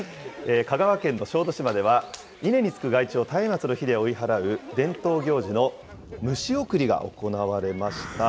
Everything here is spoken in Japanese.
香川県の小豆島では、稲につく害虫をたいまつの火で追い払う、伝統行事の虫送りが行われました。